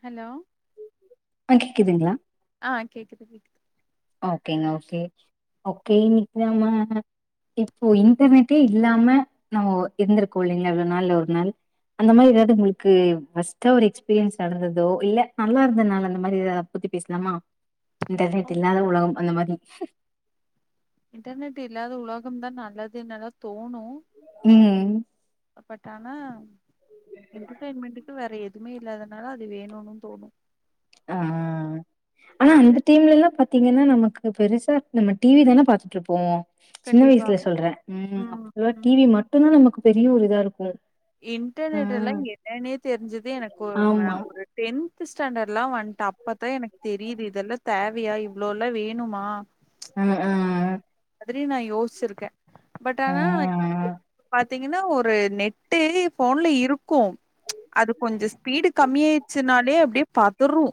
Hello ஆ கேக்குதுங்களா ஆ கேக்குது கேக்குது ஓகேங்க ஓகே ஓகே இன்னைக்கி நம்ம இப்போ இன்டர்நெட்டே இல்லாம நம்ம இருந்திருக்கோ இல்லைங்களா இவ்ளோ நாள்ல ஒரு நாள் அந்த மாரி ஏதாவது உங்களுக்கு வொஸ்ட்டா ஒரு எக்ஸ்பீரியன்ஸ் நடந்ததோ இல்ல நல்லா இருந்தனால அந்த மாரி ஏத அதபத்தி பேசலாமா இன்டர்நெட் இல்லாத உலகம் அந்த மாரி இன்டர்நெட் இல்லாத உலகம்தா நல்லதுன்லா தோணு ம் பட் ஆனா என்டர்டைன்மெண்டுக்கு வேற எதுவுமே இல்லாதனால அது வேணுன்னு தோணு ஆ ஆனா அந்த இன்டர்நெட் டைம்லலா பாத்தீங்கன்னா நமக்கு பெருசா நம்ம டிவி தான பாத்துட்டுருப்போ சின்ன கண்டிப்பா வயசுல சொல்றே ம் அப்பல்லா டிவி மட்டு தா நமக்கு பெரிய ஒரு இதாருக்கு இன்டர்நெட்லா என்னான்னே தெரிஞ்சது எனக்கு ஆ ஆமா ஒரு டென்த் ஸ்டாண்டர்ட்லா வந்ட்ட அப்பதா எனக்கு தெரியுது இதெல்லா தேவையா இவ்ளோலா வேணுமா அ ம் அந்த மாதிரி நா யோசிச்சுருக்கே பட் ஆ ஆனா ஆ பாத்தீங்கனா ஒரு நெட்டு போன்ல இருக்கு அது கொஞ்சோ ஸ்பீடு கம்மி ஆயிடுச்சுனாலே அப்டியே பதறு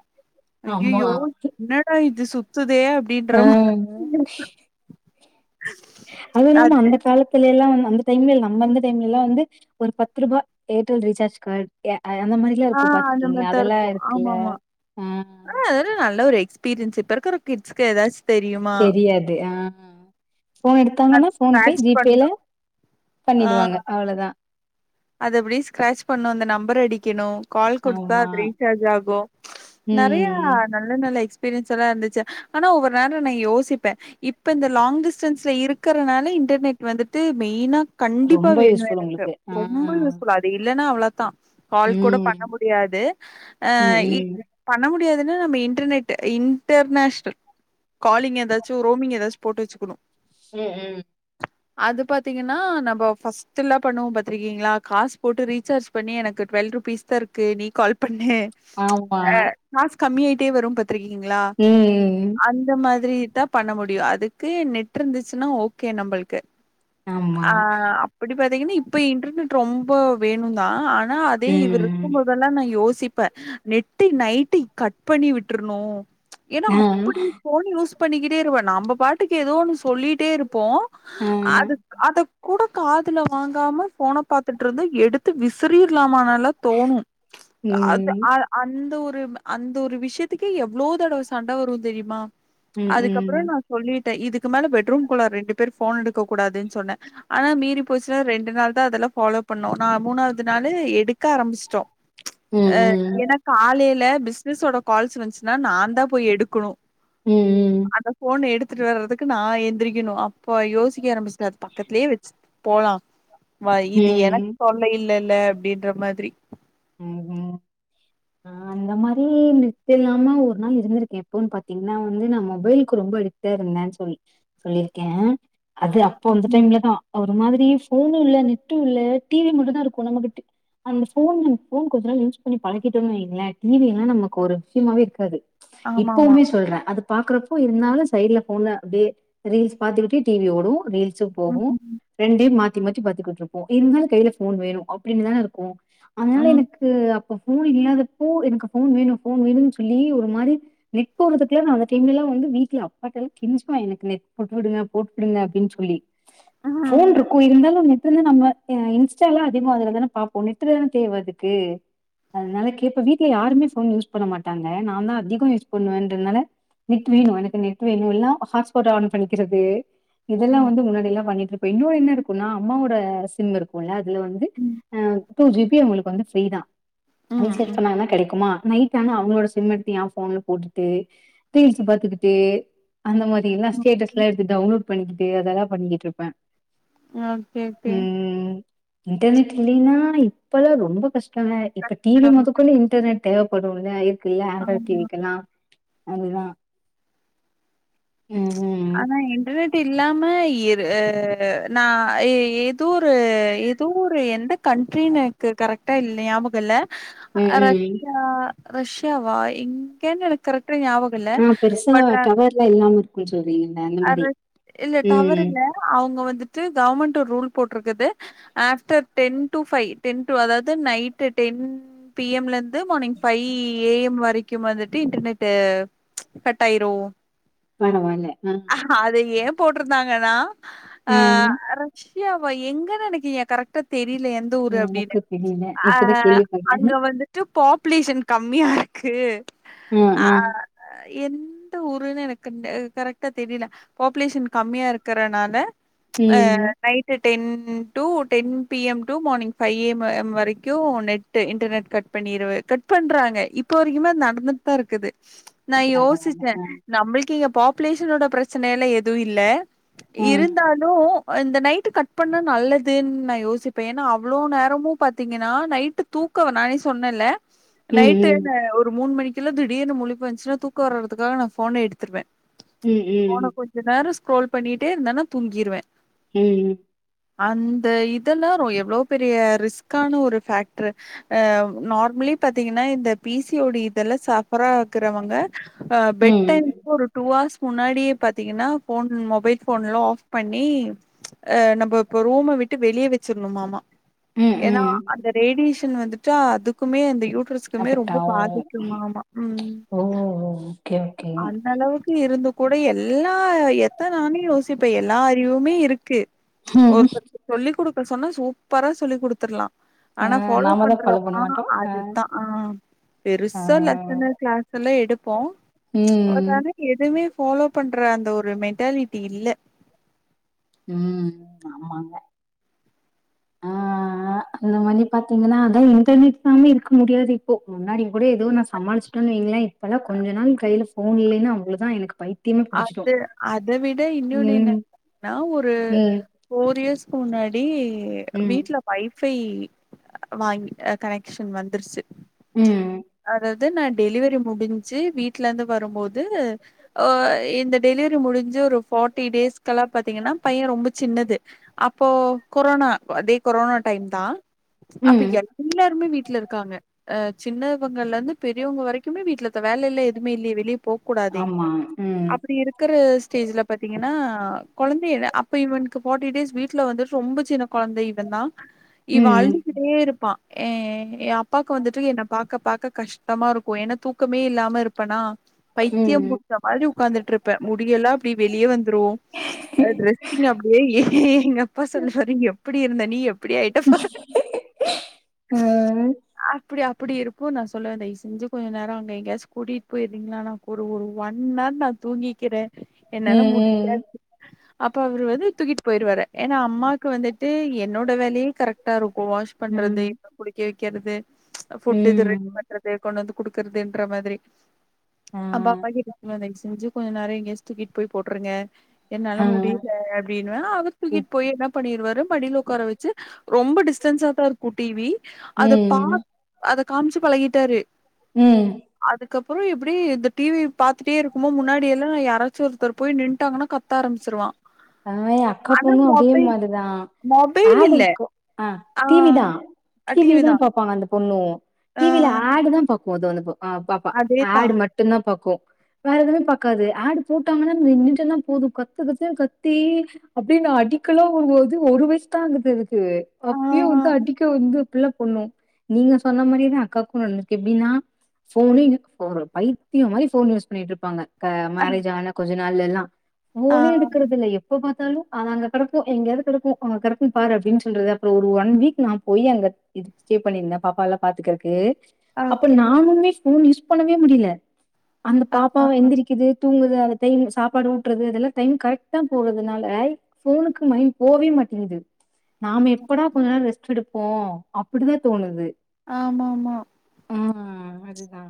அய்யய்யோ ஆமா என்னடா இது சுத்துதே அப்படின்ற ஆ மா அ அதுல்லாம அது அந்த காலத்துலேலா வந்து அந்த டைம்ல நம்மருந்த டைம்லலா வந்து ஒரு பத்து ரூபா ஏர்டெல் ரீசார்ஜ் கார்டு ய அந்த மாரி தியா ஆ இருக்கு அந்த மாரி பாத்துருக்கீங்களா அதெல்லா இருக்குல்ல ஆ ஆ அதல்லா நல்ல ஒரு எஸ்பீரியன்ஸ் இப்ப இருக்கற கிட்ஸ்க்கு ஏதாச்சு தெரியாது ஆ ஃபோன் அது எடுத்தாங்கன்னா போன்பே ஸ்க்ராட்ச் ஜி பேல பண்ணும். பண்ணிடுவாங்க அவ்ளதா அத அப்டி ஸ்க்ராட்ச் பண்ணு அந்த நம்பர அடிக்கணு கால் குடுத்தா ஆமா அது ரீசார்ஜ் ஆகும் ம் நல்ல நல்ல எக்ஸ்பீரியன்ஸ் எல்லா இருந்துச்சு ஆனா ஒவ்வொரு நேர நா யோசிப்பே இப்ப இந்த லாங் டிஸ்டன்ஸ்ல இருக்கிறனால இன்டர்நெட் வந்துட்டு மெயினா கண்டிப்பா ரொம்ப வேணு யூஸ்ஃபுல் எனக்கு உங்களுக்கு ஆ ரொம்ப யூஸ்ஃபுல் அது இல்லன்னா அவ்ளதா கால் கூட பண்ண ம் முடியாது ஆ ம் ம் இ ம் பண்ண முடியாதுன்னா நம்ம இன்டர்நெட் இன்டர்நேஷ்னல் காலிங் எதாச்சு ரோமிங் எதாச்சு போட்டு வச்சுக்கணு சேரி அது பாத்தீங்கன்னா நம்ம ஃபஸ்டல்லா பண்ணுவோ பாத்திங் ருக்கீங்களா காஸ் போட்டு ரீசார்ஜ் பண்ணி எனக்கு டுவெல் ருபீஸ் தா இருக்கு நீ கால் பண்ணு ஆமா அ காசு கம்மியாயிட்டே வரு பாத்திருக்கீங்களா ம் அந்த மாதிரி தா பண்ண முடியு அதுக்கு நெட் இருந்துச்சுனா ஓகே நம்பளுக்கு ஆமா அ எப்டி பாத்தீங்கனா இப்ப இன்டர்நெட் ரொம்ப வேணுன்தா ஆனா அதே இவர் ம் இருக்கும் போதெல்லா நா யோசிப்பே நெட்டு நைட்டு கட் பண்ணி விட்ரணு ஏன்னா ஆ அப்டி போன் யூஸ் பண்ணிக்கிட்டே இருப்பா நம்ப பாட்டுக்கு எதோ ஒன்னு சொல்லிட்டே இருப்போ ஆ அது அத கூட காதுல வாங்காம ஃபோன பாத்துட்டுருந்தா எடுத்து விசிறிற்லாமான்லா தோணு அது ம் அ அந்த ஒரு அந்த ஒரு விஷயத்துக்கே எவ்ளோ தடவ சண்ட வரு தெரியுமா ம் ம் அதுக்கப்புற ம் நா சொல்லிட்டே இதுக்கு மேல பெட்ரூம் குள்ள ரெண்டு பேரு ஃபோன எடுக்க கூடாதுன்னு சொன்னே ஆனா மீறி போச்சுன்னா ரெண்டு நாள் தான் அதெல்லா ஃபாலோ பண்ணோ ந மூணாவது நாள் எடுக்க ஆரம்பிச்சிட்டோ அ ம் ஏன்னா காலையில பிசினஸோட கால்ஸ் வந்துச்சுன்னா நான்தா போய் எடுக்கணு ம் ம் அந்த ஃபோன எடுத்துட்டு வர்றதுக்கு நா எந்திரிக்கணு அப்போ யோசிக்க ஆரம்பிச்சே அது பக்கத்துலேயே வெச்சு போலா வா இது எனக்கு ம். தொல்ல இல்லல அப்படின்ற மாதிரி ம் ம் அ அந்த மாரி நெட்டு இல்லாம ஒரு நாள் இருந்திருக்கே எப்போன்னு பாத்தீங்கன்னா வந்து நா மொபைலுக்கு ரொம்ப அடி டிட்டு இருந்தேன்னு சொல்லி சொல்லிருக்கே அது அப்போ அந்த ம் டைம்ல தா ஒரு மாதிரி ஃபோனு இல்ல நெட்டு இல்ல டிவி மட்டும் தா இருக்கு நம்மகிட்ட அந்த ஃபோன் ஃபோன் கொஞ்ச நாள் யூஸ் பண்ணி பழக்கிட்டோம்னு வைங்களே டிவி எல்லா நமக்கு ஒரு விஷயமே இருக்காது ஆமாமா இப்பவுமே சொல்றே அது பாக்குறப்போ இருந்தாலு சைட்ல ஃபோன்ல அப்டியே ரீல்ஸ் பாத்துக்கிட்டே டிவி ஓடும் ரீல்ஸ் ஸு ம் போகு ரெண்டயு மாத்தி மாத்தி பாத்துக்கிட்டு இருப்போ இருந்தாலு கையில ஃபோன் வேணு அப்டின்னுதானே இருக்கு அதுனால ம் எனக்கு அப்ப ஃபோன் இல்லாதப்போ எனக்கு ஃபோன் வேணு போன் வேணுனு சொல்லி ஒரு மாரி நெட் போடுறதுக்கெல்லா நா அந்த டைம்ல எல்லா வந்து வீட்ல அப்பாட்ட எல்லா கெஞ்சுவ எனக்கு நெட் போட்டு விடுங்க போட்டு விடுங்க அப்டின்னு சொல்லி ஃபோன் ம் இருக்கு இருந்தாலு நெட் இருந்தா நம்ம இன்ஸ்டா எல்லா அதிகம் அதுலதானே பாப்போ நெட்டு தானே தேவ அதுக்கு அதுனால கேப்ப வீட்ல யாருமே ஃபோன் யூஸ் பண்ண மாட்டாங்க நான் தா அதிகம் யூஸ் பண்ணுவேன்றதுனால நெட் வேணு எனக்கு நெட் வேணு இல்லனா ஹாட்ஸ்பாட் ஆன் பண்ணிக்கிறது இதெல்லா ம் வந்து முன்னாடியெல்லா பண்ணிட்டு இருப்பே இன்னோனு என்ன இருக்குன்னா அம்மாவோட சிம் இருக்கு ல்ல அதுல வந்து ம் அ டூ ஜி பி உங்களுக்கு வந்து ஃப்ரீதா ரீசட் ம் பண்ணாங்கனா கிடைக்குமா நைட் ஆனா அவுங்களோட சிம் எடுத்து ஏ ஃபோன்ல போட்டுட்டு ரீல்ஸ் பாத்துக்கிட்டு அந்த மாரி எல்லா ம் ஸ்டேட்டஸ் எல்லா எடுத்து டவுன்லோட் பண்ணிகிட்டு அதெல்லாம் பண்ணிகிட்ருப்ப ஓகே ஓகே ம் இன்டர்நெட் இல்லைன்னா இப்பல்லா ரொம்ப கஷ்டோங்க இப்ப டி வி ஆமா. மொதக்குள்ள இன்டர்நெட் தேவப்படுல்ல இருக்குல்ல ஆண்ட்ராய்ட் டி விக்கெல்லா அதுதா ஆனா இன்டர்நெட் டு இல்லாம இரு அ நா இ எதோ ஒரு ஏதோ ஒரு எந்த கண்ட்ரினு எனக்கு கரெக்டா இல் ஞாபகோ இல்ல ம், அ ம். ரஷ்யா ரஷ்யாவா எங்கனு எனக்கு கரெக்ட்டா ஞாப அ பெருசா டவர்ல்லா இல்லாம இருக்குன்னு சொல்றீங்கள அந்த மாரி ம் ம் அவுங்க வந்துட்டு கவர்மெண்ட்டு ஒரு ரூல் போட்ருக்குது after ten to five ten to அதாவது நைட்டு டென் பி எம்ல இருந்து மார்னிங் ஃபை ஏ எம் வரைக்கு வந்துட்டு இன்டர்நெட்டு கட்டாயிரு பரவால்ல அ அது ஏ போட்டிருந்தாங்கன்னா அ ஆ. அரச் ஏ அவ எங்கன்னு எனக்கி கரெக்ட்டா தெரில எந்த ஊரு ம். அப்டின்னு எனக்கு தெரியல. அ இப்பதான் கேள்விப்படுறேன். அங்க வந்துட் டு பாப்புலேஷன் கம்மியா இருக்கு ஆ, அ ஆ. அ எந்த ஊருன்னு எனக்கு கரக் ட்டா தெரியல பாப்புலேஷன் கம்மியா இருக்கறனால அ ம். Night ten to ten P M to morning five A M ம் வரைக்கு நெட் டு இன்டர்நெட் கட் பண்ணிரு கட் பண்றாங்க இப்ப வரைக்குமே நடந்து ட்டா இருக்குது நா பரவால்ல. யோசிச்ச ஆ. நம்மளுக்கே இங்க பாப் ப்லேஷனோட பிரச்சன எல்லா எது இல்ல ஆ. இருந்தா டு இந்த நைட்டு கட் பண்ண நல்லதுன்னு நா யோசிப்ப‌ ஏனா அவ்ளோ நேரமு பாத்தீங்கன்னா நைட்டு தூக்க வ நானே சொன்னேல ம், நைட்டு ம். ந ஒரு மூணு மணிக்கெல்லா திடீர்னு மூழிப்பு வந்துச்சுன்னா தூக்க வர்றதுக்காக நா ஃபோன எடுத்துருவ ம், ஃபோன ம். கொஞ்ச நேரோ ஸ்க்ரோல் பண்ணிட்டே இருந்தனா தூங்கிருவ ம் அந்த இதெல்லா ரொ எவ்ளோ பெரிய ரிஸ்க்கான ஒரு ஃபக்ட்ரு அ நார்மலி பாத்தீங்கன்னா இந்த பி சி ஓ டி இதுல்ல சஃப்ரா ஆக்குறவங்க அ பெட் ம். டைம்க்கு ஒரு டூ ஹார்ஸ் முன்னாடியே பாத்தீங்கன்னா ஃபோன் மொபைல் ஃபோன்ல்லா ஆஃப் பண்ணி அ நம்ப இப்ப ரூம விட்டு வெளிய வச்சிறணுமாமா ம், ஏனா ம். அந்த ரேடியேஷன் வந்துட்டு அதுக்குமே அந்த யூட்ரஸ் க்குமே அஃபெக்ட் ரொம்ப ஆவும். பாதிக்குமாமா ம் ஓ! Okay, okay. அந்தளவுக் கு இருந்து கூட எல்லா எத்த நானே யோசிப்பே எல்லா அறிவுமே இருக்கு ஒருத்தருக்கு சொல்லிக் குடுக்க சொன்னா சூப்பரா சொல்லிக் குடுத்துடலா ஆ ஆனா ஃபாலோ நாம தா ஃபாலோ பண்ண பன்றோமா மாட்டோ ஆ அதுதா அ ஆ பெருசா லெசனு கிளாஸ் சுல்லா எடுப்போ ம் அதுக்கான எதுமே ஃபாலோ பண்ற அந்த ஒரு மென்டாலிட்டி இல்ல ம் ஆமாங்க ஆ ஆ அந்த மாரி பாத்தீங்கன்னா அதா இன்டர்நெட்லாமே இருக்க முடியாது இப்போ முன்னாடி கூட எதோ நா சமாளிச்சுட்டேன்னு வைங்களே இப்பல்லா கொஞ்ச நாள் கையில ஃபோன் இல்லைன்னா அவ்ளோ தா எனக்கு பைத்தியமே புடிச்சிடு அது அத விட இன்னொன்னு ம் என்னன்னா ஒரு ம் ஃபோர் இயர்ஸ்க்கு முன்னாடி ம் வீட்ல வைஃபை வாங்கி கனெக்க்ஷன் வந்துருச்சு ம் அதா வது நா டெலிவரி முடிஞ்சு வீட்ல இருந்து வரும்போது இந்த டெலிவரி முடிஞ்சு ஒரு ஃபார்ட்டி டேஸ்க்கெல்லா பாத்தீங்கன்னா பையன் ரொம்ப சின்னது அப்போ கொரோனா அதே கொரோனா டைம் தா அப்ப ம் எ எல்லாருமே வீட்ல இருக்காங்க அ சின்னவங்கல இருந்து பெரியவங்க வரைக்குமே வீட்டுல தா வேல எல்லா எதுவுமே இல்லையே வெளிய போக கூடாதே ஆ உம் அப்படி இருக்கிற ஸ்டேஜ்ல பாத்தீங்கன்னா கொழந்தை அப்போ இவனுக்கு ஃபார்ட்டி டேஸ் வீட்டுல வந்துட்டு ரொம்ப சின்ன கொழந்த இவன் தா இவ ம் அழுதுக்கிட்டு ட்டே இருப்பான் ஏ என் அப்பாக்கு வந்துட்டு என்ன பாக்க பாக்க கஷ்டமா இருக்கும் ஏன்னா தூக்கமே இல்லாம இருப் ன்னா பைத்தியம் ம் புடிச்ச மாரி உக்காந்துட்டு இருப்ப முடியெல்லா அப்டி வெளிய வந்து துருவோம் அ ட்ரெஸ்சிங் அப்டியே ஏ எங்க அப்பா சொல்லுவாரு எப்புடி இருந்த நீ எப் இப்டி ஆயிட்ட பாரு உம் அப்படி அப்படி இருப்ப நா சொல்லுவ தயவு செஞ்சு கொஞ்ச நேரம் அங்க எங்கயாச்சு கூடிட்டு போய்றீங்களா நா ஒரு ஒரு ஒன் ஹார் நா தூங்கிக்கிறே ம் என்னால முடியில ம் அப்ப அவரு வந்து தூக்கிட்டு போயிருவாரு ஏன்னா அம்மாக்கு வந்துட்டு என்னோட வேலயே கரெக்ட்டா இருக்கும் வாஷ் பன்றது ம் என்ன குளிக்க வைக்கிறது ஃபுட் இது ரெடி ம் பன்றது கொண்டு வந்து குடுக்குறதுன்ற மாதிரி ஆ அம்மி மாயி தயவு செஞ்சு கொஞ்ச நேரம் எங்கயாச்சு தூக்கிட்டு போய் போட்டுருங்க என்னால ஆ முடியல ல அப்படின்னுவ அவரு தூக்கிட்டு போய் என்ன பண்ணிருவாரு மடியில உக்கார வச்சு ரொம் டிஸ் ச்சாதா இருக்கு டிவி அத பா ம் அத காமிச்சு பழகிட்டாரு உம் அதுக்கப்புறம் இப்படி இந்த டிவி பாத்துட்டே இருக்கும் போ முன்னாடி எல்லாம் யாராச்சு ஒருத்தர் போய் நின்ட்டாங்கன்னா கத்த ஆரம்பிச்சிருவா ஆ என் அக்கா பொண்ணும் அதே மாரிதா மொபைல் அடு இல்ல. இருக்கும் ஆ டிவி தா அ டிவி தா தான். பாபப்பாங்க அந்த பொண்ணு ஆ டிவில அடு தா பாக்கும் அந்த பாப்பா அடு அதேதான். மட்டு டுதா பாக்கும் வேற எதுவுமே பாக்காது ஆட் போட்டாங்கன்னா நின்னுட்டன்னா போதும் கத்து கத்துனு கத்து தி அப்படி என்ன அடிக்கலா வருது அது ஒரு வயசு தா ஆகுது ஆ அப்பயே வந்து அடிக்க வந்து அப்படிலா பண்ணும் நீங்க சொன்ன மாரிதா அக்காக்கும் வந்துருக்கு எப்படின்னா ஃபோனு ஃபோனு பைத்தியம் மாதிரி ஃபோன் யூஸ் பண்ணிட்டு இருப்பாங்க க மேரேஜ் ஆன கொஞ்சம் நாள்ல எல்லா ஆ ஃபோனே எடுக்குறது இல்லையே எப்ப பாத்தாலும் அது அங்க கிடக்கும் எங்கேயாது கிடக்கும் அங்க கிடக்கும் பாரு அப்படின்னு சொல்றது அப்புறம் ஒரு ஒன் வீக் நா போய் அங்க இது ஸ்டே பண்ணியிருந்தேன் பாப்பா எல்லா பாத்துக்கிறதுக்கு அப்ப ஓகே. நானுமே ஃபோன் யூஸ் பண்ணவே முடியல அந்த அ பாப்பாவ எந்திரிக்குது தூங்குது அந்த டைம் சாப்பாடு ஊட்டுறது அதெல்லா டைம் கரெக்டா போறதுனால ஃபோனுக்கு மைண்ட் போவே மாட்டேங்குது நாம எப்படா கொஞ்ச நேரம் ரெஸ்ட் எடுப்போ அப்படிதா தோணுது ஆமா ஆமா ஆ அதுதா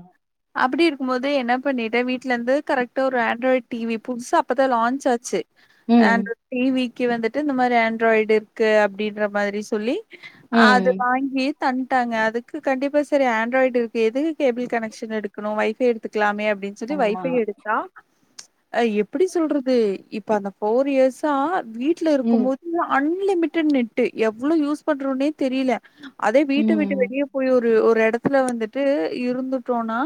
அப்டி இருக்கும் போது என்ன பண்ணிட்டே வீட்ல இருந்து கரெக்டா ஒரு ஆண்ட்ராய்டு டிவி புதுசா அப்பதா லான்ச் ஆச்சு ஆ ம். டிவிக்கு வந்துட்டு இந்த மாரி ஆண்ட்ராய்டு இருக்கு அப்டின்ற மாரி சொல்லி அது ம். வாங்கி தந்துட்டாங்க அதுக்கு கண்டிப்பா செரி ஆண்ட்ராய்டு இருக்கு எது கேபிள் கனெக்க்ஷன் எடுக்கணு வைஃபை எடுத்துக்கலாமே அப்டின்னு சொல்லி ஆமா. வைஃபை எடுத்தா ஆ எப்டி சொல்றது இப்ப அந்த ஃபோர் இயர்ஸா வீட்ல இருக்கு ம். போது அன்லிமிட்டேட் நெட்டு எவ்ளோ யூஸ் பண்றோனே தெரில அதே வீட்ட விட்டு ம். வெளியே போய் ஒரு ஒரு எடத்துல வந்துட்டு இருந்துட்டோன்னா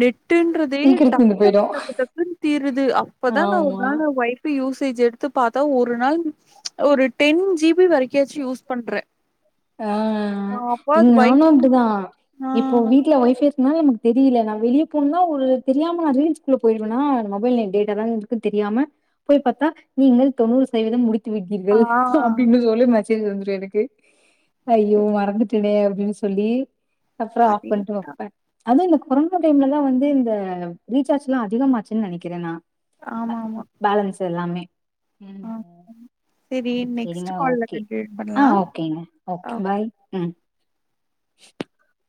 நெட் நெட்டுன்றதே சீக்கிரம் டக் தீந்து டக் போயிடும். டக் டக்குன்னு தீருது அப்பதா நா ஒரு ஆமா. நாள் வை யூசேஜ் எடுத்து பாத்தா ஒரு நாள் ஒரு டென் ஜி பி வரைக்காச்சு யூஸ் பண்றே ஆ நா அப்போ இங்க அது வை நானு அப்டிதா ஆ இப்போ வீட்ல வைஃபை இருக்கனால நமக்கு தெரில நா வெளிய போனேன்னா ஒரு தெரியாம நா ரீல்ஸ்குள்ள போயிடுவேன்னா மொபைல் டேட்டாதா இருக்குன்னு தெரியாம போய் பாத்தா நீங்கள் தொண்ணூறு சதவீதம் முடித்து ஆ விட்டீர்கள் அப்டின்னு சொல்லி மெசேஜ் வந்துரு எனக்கு ஐய்யோ மறந்துட்டனே அப்டின்னு சொல்லி அப்றோ ஆஃப் பண்ணிட்டு அதேதா வைப்ப அது இந்த கொரோனா டைம்லலா வந்து இந்த ரீசார்ஜ் எல்லா அதிகமாச்சுன்னு நெனைக்கிறே நா ஆமாம்மா பேலன்ஸ் எல்லாமே ம் செரி நெக்ஸ்ட் செரிங்க கால்ல ஓகே கண்டினியூ ஆ பண்லா ஓகேங்க ஆ ஓகே பாய் ம் [inaudible]